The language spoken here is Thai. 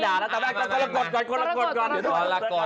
ไลน์มาด่าแล้วต่อไปกับกรกฎก่อน